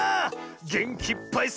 げんきいっぱい